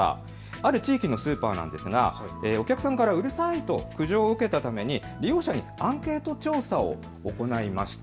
ある地域のスーパーなんですがお客さんからうるさいと苦情を受けたために利用者にアンケート調査を行いました。